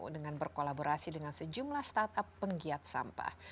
dengan berkolaborasi dengan sejumlah startup penggiat sampah